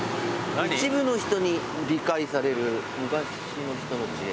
「一部の人に理解される昔の人の知恵」・